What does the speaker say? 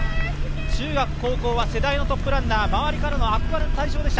中学、高校は世代のトップランナー周りからの憧れの対象でした。